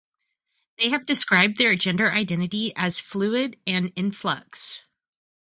They have described their gender identity as fluid and in flux.